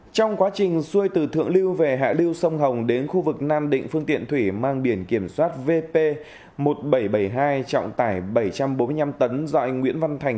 trong quá trình xuôi từ thượng lưu về hạ lưu sông hồng đến khu vực nam định phương tiện thủy mang biển kiểm soát vp một nghìn bảy trăm bảy mươi hai trọng tải bảy trăm bốn mươi năm tấn do anh nguyễn văn thành